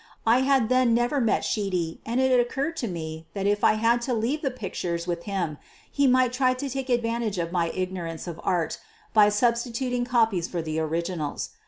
I had then never met Sheedy and it occurred to me that if I had to leave the pic tures with him he might try to take advantage of my ignorance of art by substituting copies for the originals.